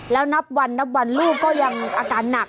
แล้วนับวันลูกก็ยังอาการหนัก